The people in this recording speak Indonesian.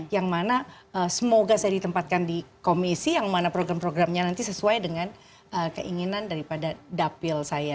yang mana semoga saya ditempatkan di komisi yang mana program programnya nanti sesuai dengan keinginan daripada dapil saya